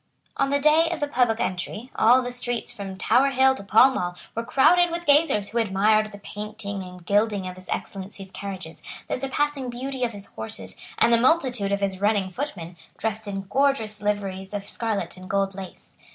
On the day of the public entry, all the streets from Tower Hill to Pall Mall were crowded with gazers who admired the painting and gilding of his Excellency's carriages, the surpassing beauty of his horses, and the multitude of his running footmen, dressed in gorgeous liveries of scarlet and gold lace.